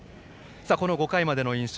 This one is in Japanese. この５回までの印象